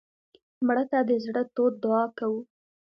مړه ته د زړه تود دعا کوو